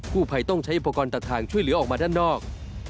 ผู้ภัยต้องใช้อุปกรณ์ตัดทางช่วยเหลือออกมาด้านนอก